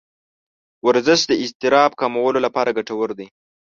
ورزش د اضطراب کمولو لپاره ګټور دی.